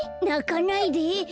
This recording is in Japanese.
なかないで。